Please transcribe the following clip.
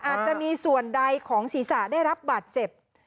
อาจจะมีส่วนใดของศีรษะได้รับบาดเจ็บ